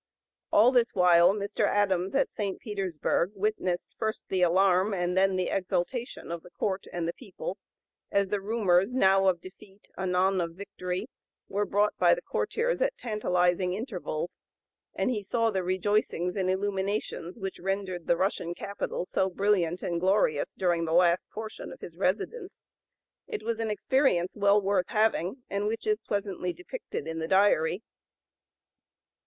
All this while Mr. Adams at St. Petersburg witnessed first the alarm and then the exultation of the court and the people as the rumors now of defeat, anon of victory, were brought by the couriers at tantalizing intervals; and he saw the rejoicings and illuminations which rendered the Russian capital so brilliant and glorious during the last portion of his residence. It was an experience well worth having, and which is pleasantly depicted in the Diary.